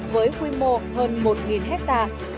với quy mô hơn một hectare